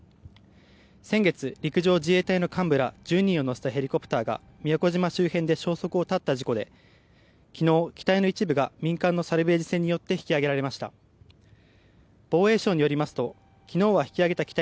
先月、陸上自衛隊の幹部ら１０人を乗せたヘリコプターが宮古島周辺で消息を絶った事故で昨日、機体の一部が民間のサルベージ船によって引き揚げられました。